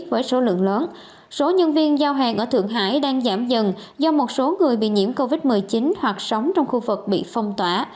với số lượng lớn số nhân viên giao hàng ở thượng hải đang giảm dần do một số người bị nhiễm covid một mươi chín hoặc sống trong khu vực bị phong tỏa